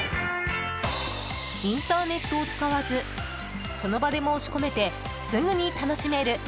インターネットを使わずその場で申し込めてすぐに楽しめる。